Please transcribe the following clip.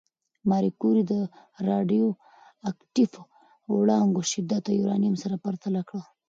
ماري کوري د راډیواکټیف وړانګو شدت د یورانیم سره پرتله کړ.